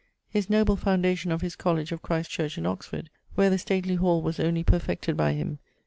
His noble foundation of his Colledge of Christ Church, in Oxford, where the stately hall was only perfected by him.